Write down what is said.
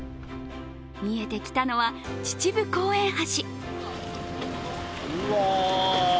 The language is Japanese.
見えてきたのは秩父公園橋。